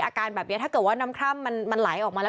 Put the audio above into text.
อาการแบบนี้ถ้าเกิดว่าน้ำคร่ำมันไหลออกมาแล้ว